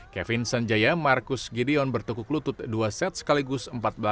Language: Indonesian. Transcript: kevin senjaya marcus gideon bertukuk lutut dua set sekaligus empat belas dua puluh satu dua belas dua puluh satu